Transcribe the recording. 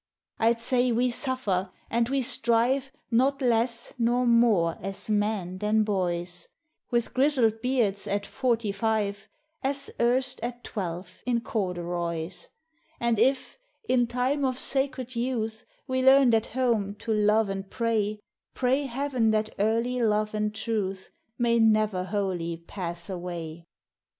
I 'd say we suffer and we strive Not less nor more as men than boys, — With grizzled beards at forty five, As erst at twelve in corduroys; And if, in time of sacred youth, We learned at home to love and pray, Pray Heaven that early love and truth May never wholly pass away.